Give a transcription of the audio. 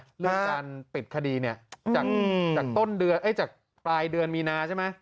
เรื่องการปิดคดีเนี่ยจากปลายเดือนมีนาใช่ไหม